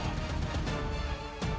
aku akan membunuhmu